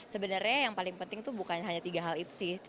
sebenarnya yang paling penting itu bukan hanya tiga hal itu sih